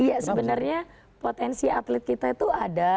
iya sebenarnya potensi atlet kita itu ada